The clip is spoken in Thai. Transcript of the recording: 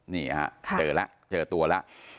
นี่ครับเจอตัวแล้ว